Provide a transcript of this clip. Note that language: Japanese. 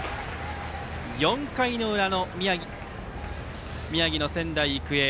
４回の裏の宮城の仙台育英。